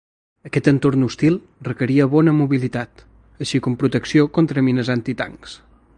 Aquest entorn hostil requeria bona mobilitat, així com protecció contra mines antitancs.